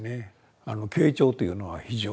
傾聴というのは非常に。